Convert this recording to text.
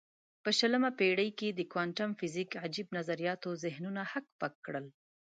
په شلمه پېړۍ کې د کوانتم فزیک عجیب نظریاتو ذهنونه هک پک کړل.